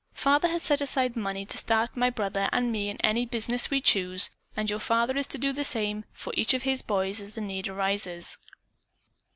Father has set aside money to start my brother and me in any business we may choose, and your father is to do the same for each of his boys as the need arises."